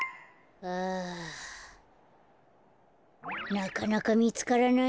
なかなかみつからないね。